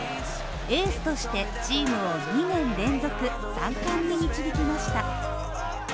エースとしてチームを２年連続３冠に導きました。